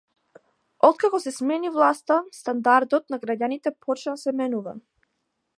Откако се смени власта стандардот на граѓаните почна да се менува.